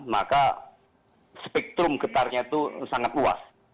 maka spektrum getarnya itu sangat luas